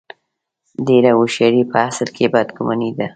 ډېره هوښیاري په اصل کې بد ګماني ده.